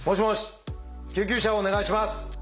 救急車をお願いします。